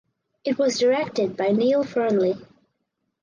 It was directed by Neill Fearnley.